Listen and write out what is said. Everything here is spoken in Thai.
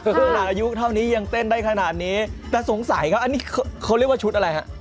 ขนาดอายุเท่านี้ยังเต้นได้ขนาดนี้แต่สงสัยครับอันนี้เขาเรียกว่าชุดอะไรฮะ